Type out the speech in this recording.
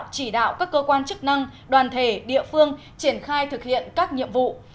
chỉ đạo các cơ quan chức năng đoàn thể địa phương triển khai thực hiện các nhiệm vụ